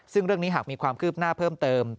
ซึ่งเรื่องนี้หากมีความคืบหน้าเพิ่มเติม